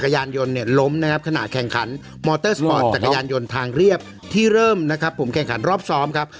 ยานยนต์ทางเรียบที่เริ่มนะครับผมแข่งขันรอบซ้อมครับ